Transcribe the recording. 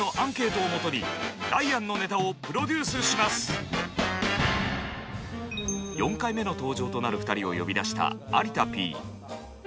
続いては４回目の登場となる２人を呼び出した有田Ｐ。